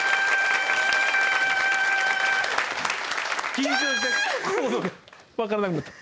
緊張してコードが分かんなくなった。